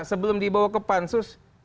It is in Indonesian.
sebelum dibawa ke pansus